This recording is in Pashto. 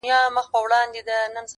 • په كوڅو كي يې ژوندۍ جنازې ګرځي,